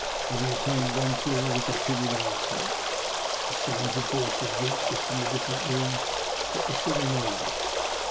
Having attained one floor we continued our ascent; the sounds of voices reached us from the different rooms, but we saw no one.